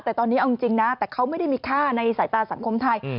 แต่ตอนนี้เอาจริงนะแต่เขาไม่ได้มีค่าในสายตาสังคมไทย